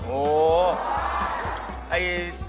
โอ้โห